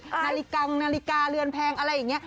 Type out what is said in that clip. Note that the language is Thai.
นาฬิกังนาฬิกาเรือนแพงอะไรอย่างนี้